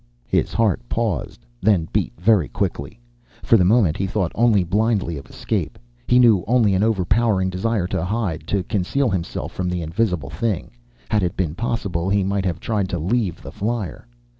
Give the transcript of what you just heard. His heart paused, then beat very quickly. For the moment he thought only blindly, of escape. He knew only an overpowering desire to hide, to conceal himself from the invisible thing. Had it been possible, he might have tried to leave the flier.